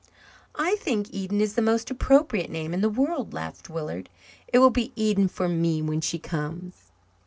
"I think Eden is the most appropriate name in the world," laughed Willard. "It will be Eden for me when she comes."